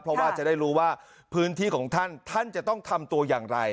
เพราะว่าจะได้รู้ว่าพื้นที่ของท่านท่านจะต้องทำตัวอย่างไร